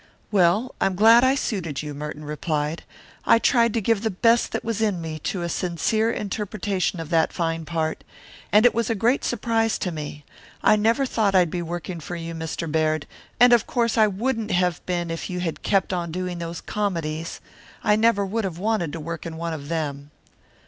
"Well, I'm glad I suited you," Merton replied. "I tried to give the best that was in me to a sincere interpretation of that fine part. And it was a great surprise to me. I never thought I'd be working for you, Mr. Baird, and of course I wouldn't have been if you had kept on doing those comedies. I never would have wanted to work in one of them."